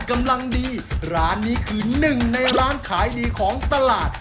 กำลังดีร้านนี้คือหนึ่งในร้านขายดีของตลาด